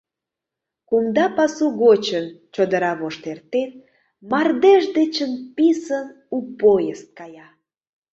Кумда пасу гочын, чодыра вошт эртен, мардеж дечын писын у поезд кая…